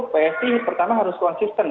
psi pertama harus konsisten